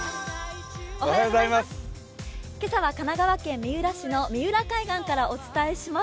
今朝は神奈川県三浦市の三浦海岸からお伝えします。